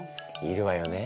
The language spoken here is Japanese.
いるわよね。